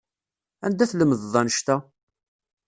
Anda tlemdeḍ annect-a?